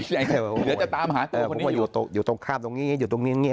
ตรงใช่หรือจะตามมาอยู่อยู่ตรงค่ำตรงนี้อยู่ตรงนี้นี้